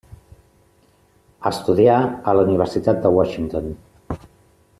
Estudià a la Universitat de Washington.